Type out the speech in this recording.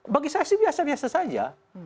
bagi saya sih biasa biasa saja